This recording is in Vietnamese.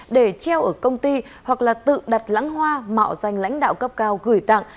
để treo ở công ty hoặc là tự đặt lãng hoa mạo danh lãnh đạo cấp cao gửi tặng